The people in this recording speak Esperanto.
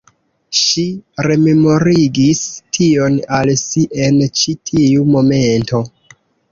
Ŝi rememorigis tion al si en ĉi tiu momento.